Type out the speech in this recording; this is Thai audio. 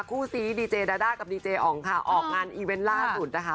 คู่ซีดีเจดาด้ากับดีเจอองค่ะออกงานอีเวนต์ล่าสุดนะคะ